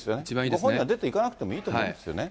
ご本人は出ていかなくてもいいと思うんですよね。